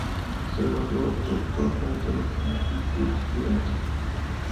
Se graduó de doctor en Teología y Jurisprudencia.